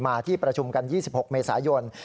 มาที่ประชุมกันอย่างปราคิด